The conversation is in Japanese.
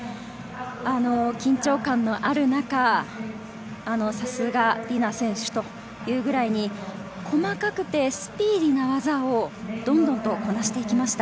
緊張感のある中、さすがディナ選手というくらいに細かくてスピーディーな技をどんどんこなしていきました。